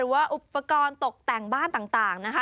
ว่าอุปกรณ์ตกแต่งบ้านต่างนะคะ